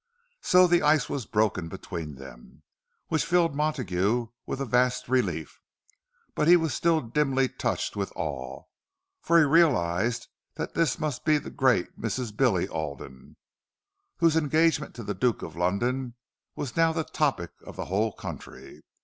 So the ice was broken between them; which filled Montague with a vast relief. But he was still dimly touched with awe—for he realized that this must be the great Mrs. Billy Alden, whose engagement to the Duke of London was now the topic of the whole country.